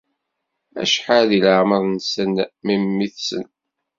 Acḥal deg leɛmeṛ-nsen memmi-tsen?